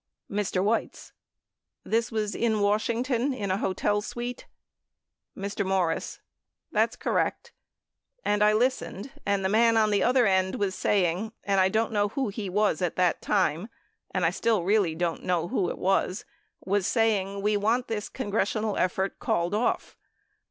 Mr. Weitz. This was in Washington in a hotel suite? Mr. Morris. That's correct. And listened, and the man on the other end was saying, and I didn't know who he was at that time, and I still really don't know who it was, was saying we want this congressional effort called off.